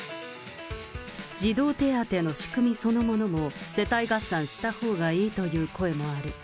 児童手当の仕組みそのものも世帯合算したほうがいいという声もある。